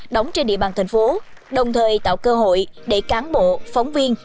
đóng trên địa bàn thành phố đồng thời tạo cơ hội để cán bộ phóng viên